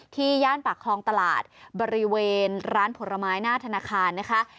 ย่านปากคลองตลาดบริเวณร้านผลไม้หน้าธนาคารนะคะ